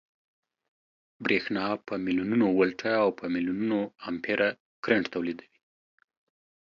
برېښنا په ملیونونو ولټه او په ملیونونو امپیره کرنټ لېږدوي